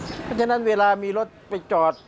เพราะฉะนั้นเวลามีรถไปจอด